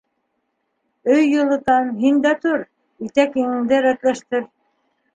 Өй йылытам, һин дә тор, итәк-еңеңде рәтләштер.